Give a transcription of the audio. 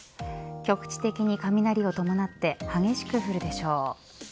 局地的に雷を伴って激しく降るでしょう。